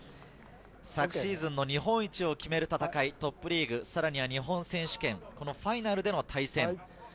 昨シーズンの日本一を決める戦いトップリーグ、さらには日本選手権、このファイナルでの対戦。